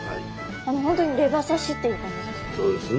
本当にレバ刺しっていう感じですね。